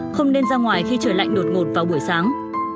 không nên ra ngoài khi trời lạnh đột ngột vào buổi sáng